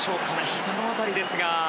ひざの辺りですが。